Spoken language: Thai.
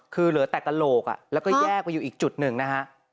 คือเหลือแต่กระโหลกแล้วก็แยกไปอยู่อีกจุดหนึ่งนะฮะ